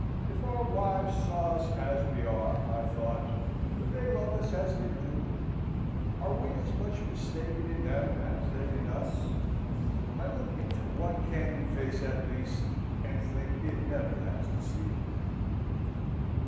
If our wives saw us as we are, I thought, would they love us as they do? Are we as much mistaken in them, as they in us? I look into one candid face at least, and think it never has deceived me.